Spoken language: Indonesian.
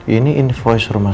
ini invoice rumah sakit